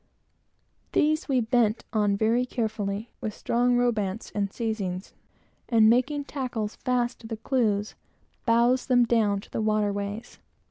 These we bent on very carefully, with strong robands and seizings, and making tackles fast to the clews, bowsed them down to the water ways.